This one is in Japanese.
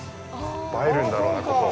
映えるんだろうな、ここ。